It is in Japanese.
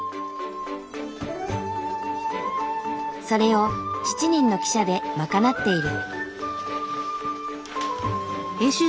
それを７人の記者で賄っている。